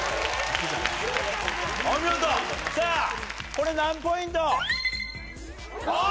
お見事さぁこれ何ポイント？